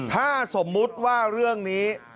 ถ้าสมมุติว่าเรื่องนี้